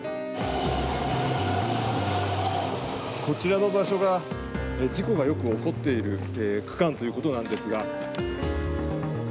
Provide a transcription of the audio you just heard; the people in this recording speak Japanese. こちらの場所が事故がよく起こっている区間ということなんですが。